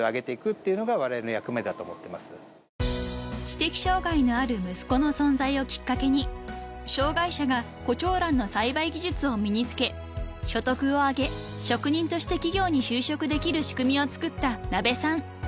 ［知的障害のある息子の存在をきっかけに障害者がコチョウランの栽培技術を身に付け所得を上げ職人として企業に就職できる仕組みをつくった那部さん］